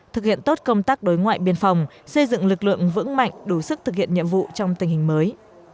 thực hiện tốt công tác đối ngoại biên phòng xây dựng lực lượng vững mạnh đủ sức thực hiện nhiệm vụ trong tình hình mới